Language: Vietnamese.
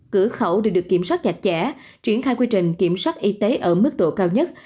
cửa khẩu đều được kiểm soát chặt chẽ triển khai quy trình kiểm soát y tế ở mức độ cao nhất